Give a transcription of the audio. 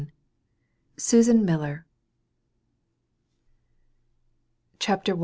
ELLA. SUSAN MILLER. CHAPTER I.